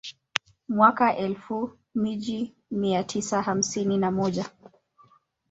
Mwaka elfu mija mia tisa hamsini na moja